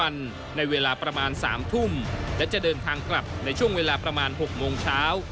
ในเวลาประมาณ๓ทุ่มและจะเดินทางกลับในช่วงเวลาประมาณ๖โมงเช้า